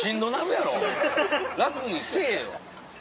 楽にせぇよ。